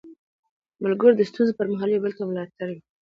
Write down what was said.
ملګري د ستونزو پر مهال یو بل ته ملا تړ وي